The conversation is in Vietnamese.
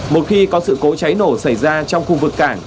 một khi có sự cố cháy nổ xảy ra trong khu vực cảng